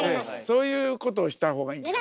そういうことをしたほうがいいんじゃない？